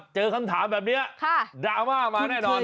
เจอคำถามแบบนี้ดราม่ามาแน่นอน